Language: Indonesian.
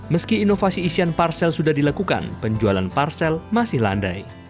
meski inovasi isian parsel sudah dilakukan penjualan parsel masih landai